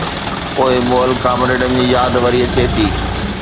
پوءِ مئل ڪامريڊن جي ياد وري اچي ٿي.